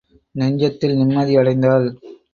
நெஞ்சத்தில் நிம்மதி அடைந்தாள்.